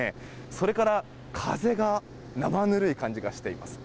それから風が生ぬるい感じがします。